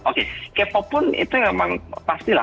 oke k pop pun itu memang pasti lah